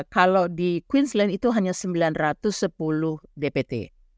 kalau di queensland itu hanya sembilan ratus sepuluh dpt